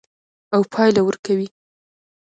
او پایله ورکوي.